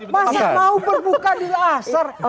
masa mau berbuka di asar